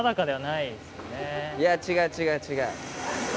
いや違う違う違う。